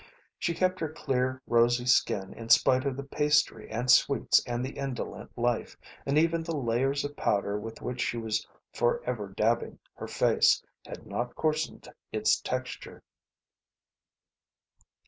She kept her clear, rosy skin in spite of the pastry and sweets and the indolent life, and even the layers of powder with which she was forever dabbing her face had not coarsened its texture.